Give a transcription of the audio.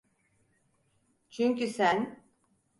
Çünkü sen…